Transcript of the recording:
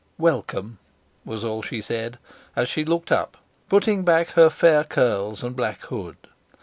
"Welcome," was all she said, as she looked up, putting back her fair curls and black hood.